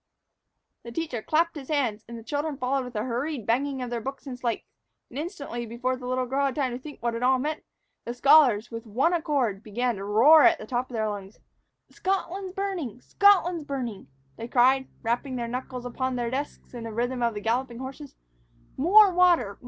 The teacher clapped his hands, the children followed with a hurried banging of their books and slates, and, instantly, before the little girl had time to think what it all meant, the scholars, with one accord, began to roar at the top of their lungs. "Scotland's burning! Scotland's burning!" they cried, rapping their knuckles upon their desks in the rhythm of galloping horses, "More water!